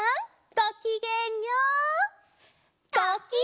ごきげんよう！